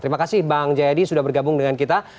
terima kasih bang jayadi sudah bergabung dengan kita